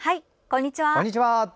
こんにちは。